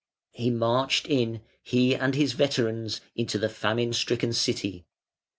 He marched in, he and his veterans, into the famine stricken city.